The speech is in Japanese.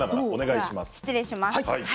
失礼します。